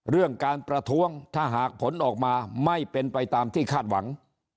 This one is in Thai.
เรื่องการประท้วงถ้าหากผลออกมาไม่เป็นไปตามที่คาดหวัง